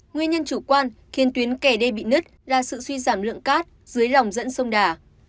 nguyên nhân chủ quan khiến tuyến kè đê bị nứt là sự suy giảm lượng cát dưới lòng dẫn sông đà